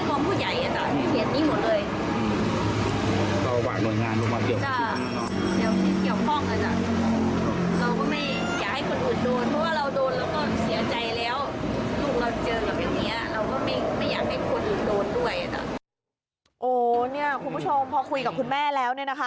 โอ้คุณผู้ชมพอคุยกับคุณแม่แล้ว